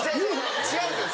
違うんですよ